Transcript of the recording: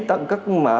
tặng các mả